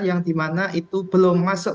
yang dimana itu belum masuk